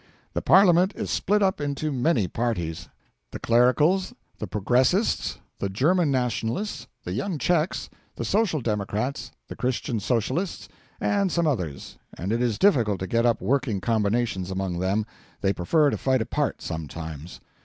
The Parliament is split up into many parties the Clericals, the Progressists, the German Nationalists, the Young Czechs, the Social Democrats, the Christian Socialists, and some others and it is difficult to get up working combinations among them. They prefer to fight apart sometimes.